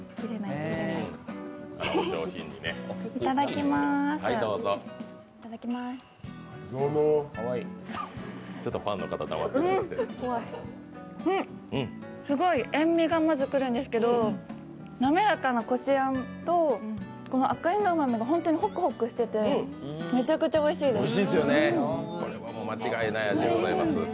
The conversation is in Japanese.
ん、すごい塩みがまず来るんですけど、滑らかなこしあんと赤えんどう豆が本当にほくほくしててめちゃくちゃおいしいです。